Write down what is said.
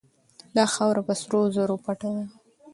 دا خاوره په سرو زرو پټه ده.